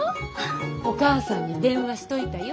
お母さんに電話しといたよ。